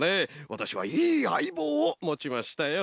わたしはいいあいぼうをもちましたよ。